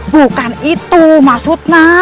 bukan itu maksudnya